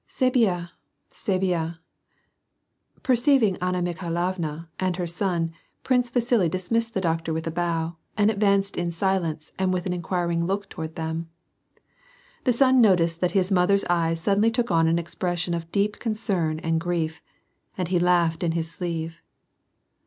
" (Test bieuy c'est bien "— Perceiving Anna Mikhailovna, and her son. Prince Vasili dismissed the doctor with a bow, and advanced in silence and with an inquiring look toward them. The son noticed that his mothers eyes suddenly took on an expression of deep con cern and grief, and he laughed in his sleeve.